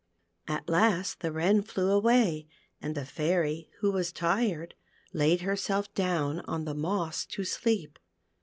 At last the Wren flew away, and the Fairy, who was tired, laid herself down on the moss to sleep.